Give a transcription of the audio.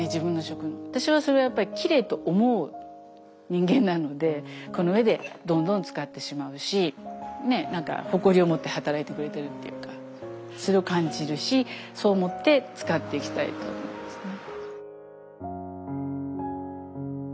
私はそれをキレイと思う人間なのでこの上でどんどん使ってしまうし誇りを持って働いてくれているっていうかそれを感じるしそう思って使っていきたいと思いますね。